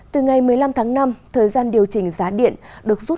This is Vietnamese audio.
từ ngày một mươi năm tháng năm thời gian điều chỉnh giá điện được rút